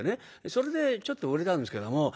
それでちょっと売れたんですけども。